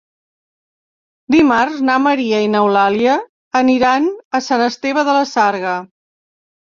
Dimarts na Maria i n'Eulàlia aniran a Sant Esteve de la Sarga.